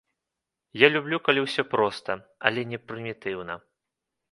Я люблю, калі ўсё проста, але не прымітыўна.